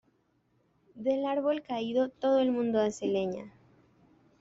Del árbol caído todo el mundo hace leña